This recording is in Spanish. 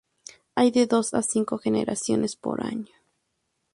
Hay de dos a cinco generaciones por año.